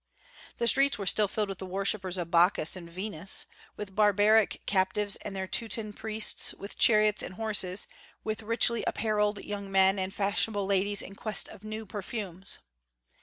The streets still were filled with the worshippers of Bacchus and Venus, with barbaric captives and their Teuton priests, with chariots and horses, with richly apparelled young men, and fashionable ladies in quest of new perfumes.